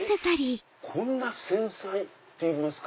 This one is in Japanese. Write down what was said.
こんな繊細っていいますか。